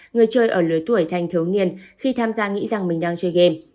người chơi ở lưới tuổi thanh thấu nghiên khi tham gia nghĩ rằng mình đang chơi game